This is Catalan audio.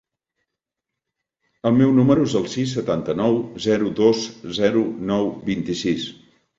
El meu número es el sis, setanta-nou, zero, dos, zero, nou, vint-i-sis.